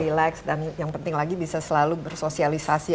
relax dan yang penting lagi bisa selalu bersosialisasi